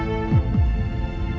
pangeran yang terjadi